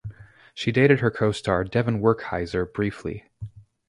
She dated her co-star Devon Werkheiser briefly.